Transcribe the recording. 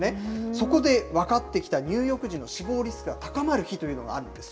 そこで分かってきた、入浴時の死亡リスクが高まる日というのがあるんです。